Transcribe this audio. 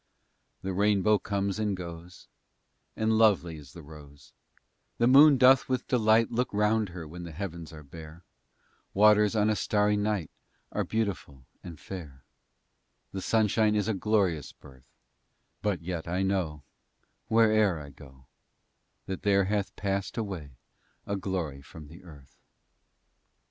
The Rainbow comes and goes, And lovely is the Rose, The Moon doth with delight Look round her when the heavens are bare; Waters on a starry night Are beautiful and fair; The sunshine is a glorious birth; But yet I know, where'er I go, That there hath pass'd away a glory from the earth.